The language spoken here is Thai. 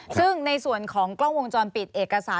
ซึ่งในส่วนของกล้องวงจรปิดเอกสาร